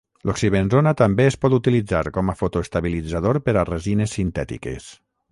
L'oxibenzona també es pot utilitzar com a fotoestabilitzador per a resines sintètiques.